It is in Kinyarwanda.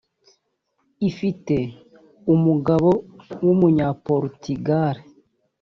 ifite umugabo w’umunya Porutigale